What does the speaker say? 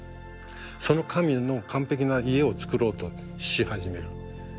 その神の完璧な家を作ろうとし始める。